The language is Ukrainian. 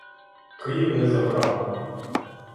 Київ не за горами.